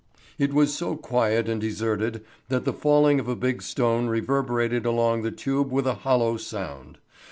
It was so quiet and deserted that the falling of a big stone reverberated along the tube with a hollow sound.